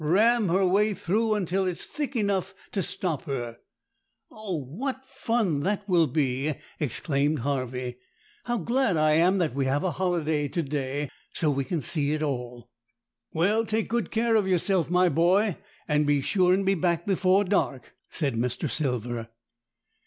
Ram her way through until it is thick enough to stop her." "Oh, what fun that will be!" exclaimed Harvey. "How glad I am that we have a holiday to day, so we can see it all!" "Well, take good care of yourself, my boy, and be sure and be back before dark," said Mr. Silver.